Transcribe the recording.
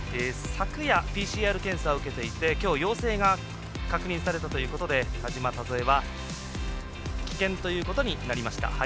昨夜、ＰＣＲ検査を受けていてきょう陽性が確認されたということで大島、田添は棄権ということになりました。